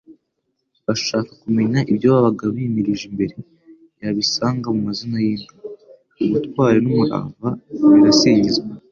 agashaka kumenya ibyo babaga bimirije imbere, yabisanga mu mazina y'inka. Ubutwari n'umurava birasingizwa,